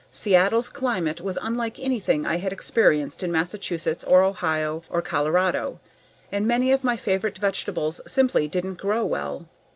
Seattle's climate was unlike anything I had experienced in Massachusetts or Ohio or Colorado, and many of my favorite vegetables simply didn't grow well.